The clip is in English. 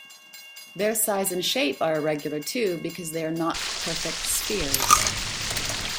Their size and shape are irregular too because they are not perfect spheres.